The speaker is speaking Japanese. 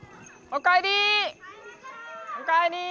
おかえり！